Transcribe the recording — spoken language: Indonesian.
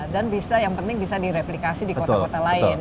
dan yang penting bisa direplikasi di kota kota lain